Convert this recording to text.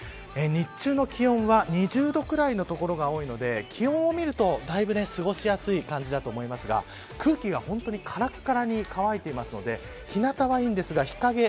日中の気温は２０度ぐらいの所が多いので気温を見るとだいぶ過ごしやすい感じだと思いますが空気が、からっからに乾いているので日なたはいいんですが日陰